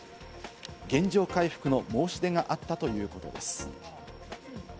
原状回復の申し出があったということです。